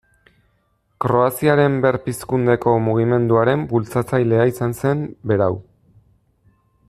Kroaziaren berpizkundeko mugimenduaren bultzatzailea izan zen berau.